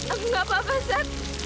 aku gak apa apa saja